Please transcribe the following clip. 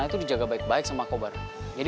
ini juga lucu kan itu lucu banget